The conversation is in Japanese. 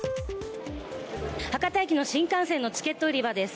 博多駅の新幹線のチケット売り場です。